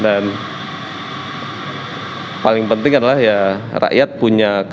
dan paling penting adalah ya rakyat punya kebebasan juga